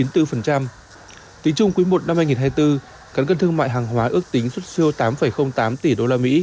tính chung quý i năm hai nghìn hai mươi bốn cán cân thương mại hàng hóa ước tính xuất siêu tám tám tỷ usd